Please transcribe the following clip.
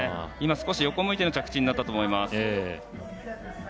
今、横を向いての着地になったと思います。